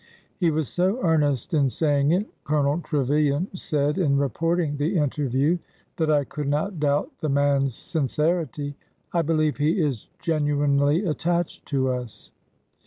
He was so earnest in saying it," Colonel Trevilian said in reporting the interview, '' that I could not doubt the man's sincerity. I believe he is genuinely attached to us."